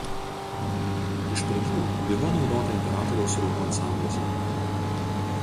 Iš pradžių biva naudota imperatoriaus rūmų ansambliuose.